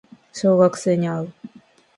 小学生に会う